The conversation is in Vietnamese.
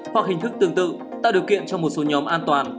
hoặc hình thức tương tự tạo điều kiện cho một số nhóm an toàn